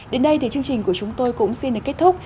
đến đây thì chương trình của chúng tôi cũng xin được kết thúc